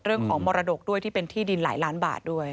มรดกด้วยที่เป็นที่ดินหลายล้านบาทด้วย